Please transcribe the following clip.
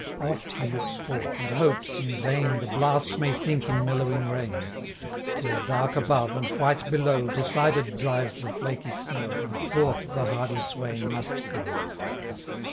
Oft he looks forth, and hopes, in vain, 65 The blast may sink in mellowing rain; Till, dark above, and white below, Decided drives the flaky snow, And forth the hardy swain must go.